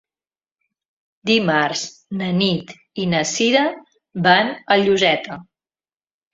Dimarts na Nit i na Sira van a Lloseta.